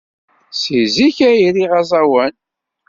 Seg zik ay riɣ aẓawan.